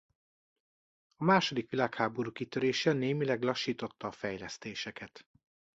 A második világháború kitörése némileg lassította a fejlesztéseket.